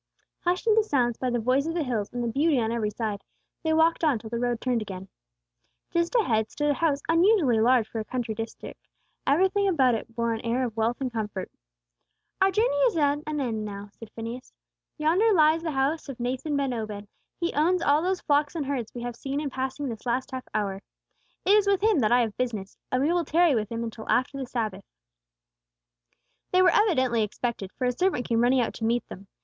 Hushed into silence by the voice of the hills and the beauty on every side, they walked on till the road turned again. Just ahead stood a house unusually large for a country district; everything about it bore an air of wealth and comfort. "Our journey is at an end now," said Phineas. "Yonder lies the house of Nathan ben Obed. He owns all those flocks and herds we have seen in passing this last half hour. It is with him that I have business; and we will tarry with him until after the Sabbath." They were evidently expected, for a servant came running out to meet them.